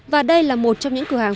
và đây là một trong những cửa hàng